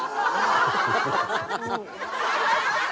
「ハハハハ！」